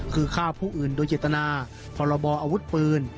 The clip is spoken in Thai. คือฆ่าผู้อื่นโดยเจตนาพรบออาวุธปืน